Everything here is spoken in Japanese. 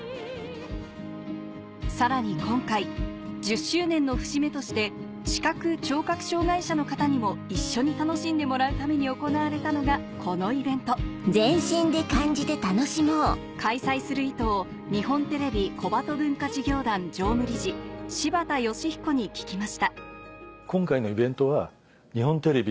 さらに今回１０周年の節目として視覚・聴覚障がい者の方にも一緒に楽しんでもらうために行われたのがこのイベント開催する意図を日本テレビ小鳩文化事業団常務理事柴田吉彦に聞きました